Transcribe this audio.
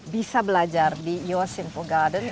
bisa belajar di your simple garden